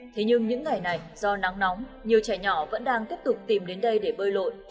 thế nhưng những ngày này do nắng nóng nhiều trẻ nhỏ vẫn đang tiếp tục tìm đến đây để bơi lội